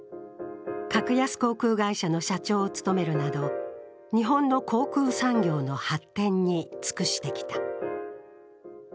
格安航空会社の社長を務めるなど日本の航空産業の発展に尽くしてきた。